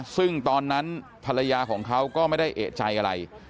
ซึ่งตอนนั้นภรรยาของเขาก็ไม่ได้เอกใจอะไร